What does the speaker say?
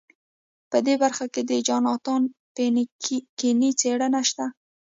په دې برخه کې د جاناتان پینکني څېړنه شته.